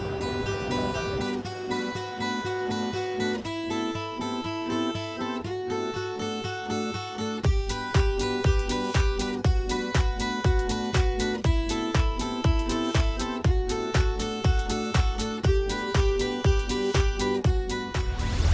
terima kasih pak budi